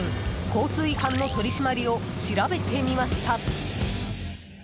交通違反の取り締まりを調べてみました。